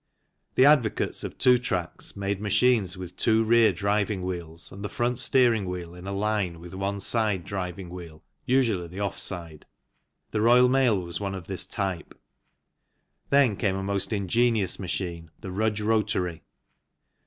The advocates of two tracks made machines with two rear driving wheels and the front steering wheel in a line with one side driving wheel (usually the off side) the Royal Mail was one of this type. Then came a most ingenious machine, the Rudge Rotary.